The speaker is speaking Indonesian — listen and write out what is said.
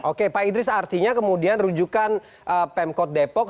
oke pak idris artinya kemudian rujukan pemkot depok